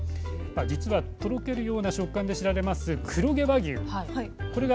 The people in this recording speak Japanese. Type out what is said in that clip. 実はとろけるような食感で知られます黒毛和牛